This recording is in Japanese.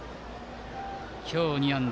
今日、２安打。